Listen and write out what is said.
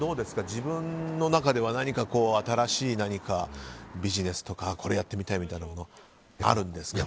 自分の中では何か新しいビジネスとかこれやってみたいみたいなものあるんですか？